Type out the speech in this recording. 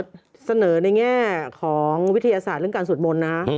ก็เสนอในแง่ของวิทยาศาสตร์เรื่องการสวดมนต์นะ